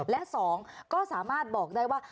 และ๒ก็สามารถบอกได้ว่า